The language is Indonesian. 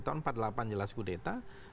tahun empat puluh delapan jelas kudeta